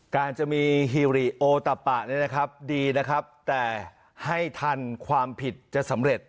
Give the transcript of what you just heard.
การจะมีฮิริโอตะปะเนี่ยนะครับดีนะครับแต่ให้ทันความผิดจะสำเร็จ